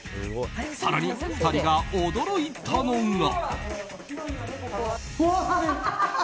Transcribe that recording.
更に２人が驚いたのが。